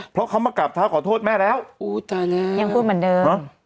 เพราะเขามากราบเท้าขอโทษแม่แล้วอู้ตายแล้วยังพูดเหมือนเดิม